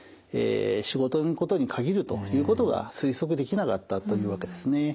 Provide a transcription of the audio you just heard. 仕事のことに限るということが推測できなかったというわけですね。